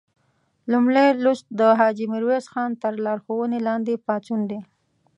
لومړی لوست د حاجي میرویس خان تر لارښوونې لاندې پاڅون دی.